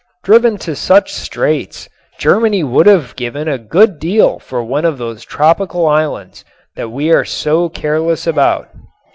Driven to such straits Germany would have given a good deal for one of those tropical islands that we are so careless about.